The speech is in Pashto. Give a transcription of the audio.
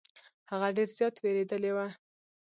هغه ډير زيات ويرويدلې وه.